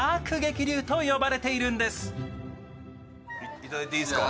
いただいていいすか。